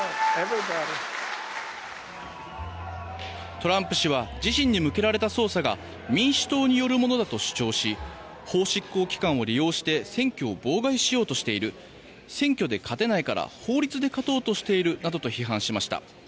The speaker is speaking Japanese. トランプ氏は自身に向けられた捜査が民主党によるものだと主張し法執行機関を利用して選挙を妨害しようとしている選挙で勝てないから法律で勝とうとしているなどと批判しました。